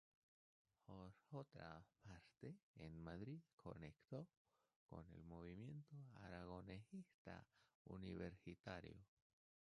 Por otra parte, en Madrid conectó con el movimiento aragonesista universitario.